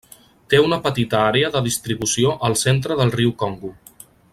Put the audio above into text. Té una petita àrea de distribució al centre del riu Congo.